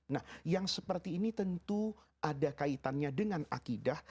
nah yang seperti ini tentu ada kaitannya dengan akidah